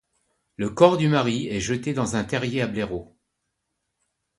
Le corps du mari est jeté dans un terrier à blaireau.